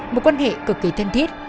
một quan hệ cực kỳ thân thiết